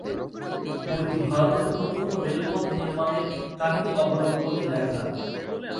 বইটি ভারতের প্রথম রেলপথ নির্মাণের কাহিনি অবলম্বনে লেখা।